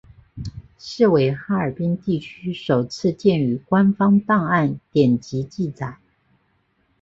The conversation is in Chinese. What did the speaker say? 是为哈尔滨地区首次见于官方档案典籍记载。